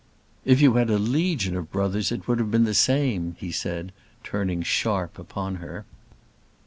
"If you had a legion of brothers it would have been the same," he said, turning sharp upon her.